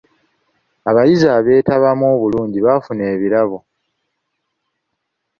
Abayizi abeetabamu obulungi baafuna ebirabo.